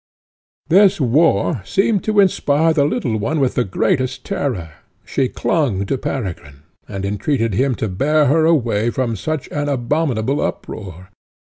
This war seemed to inspire the little one with the greatest terror; she clung to Peregrine, and entreated him to bear her away from such an abominable uproar.